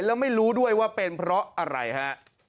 แล้วไม่รู้ด้วยว่าเป็นเพราะอะไรฮะ